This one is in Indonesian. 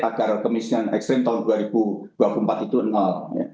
agar kemiskinan ekstrim tahun dua ribu dua puluh empat itu nol